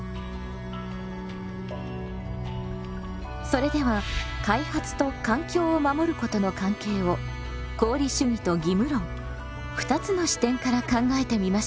それでは開発と環境を守ることの関係を功利主義と義務論２つの視点から考えてみましょう。